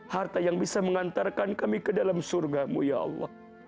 harta yang bisa mengantarkan kami ke dalam surgamu ya allah